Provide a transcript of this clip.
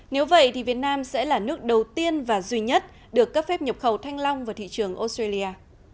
nếu vậy thì việt nam sẽ là nước đầu tiên và duy nhất được cấp phép nhập khẩu thanh long vào thị trường australia